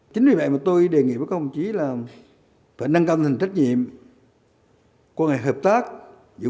chính vì vậy mà tôi đề nghị với các công chí là phải nâng cao tình trách nhiệm qua hợp tác giữa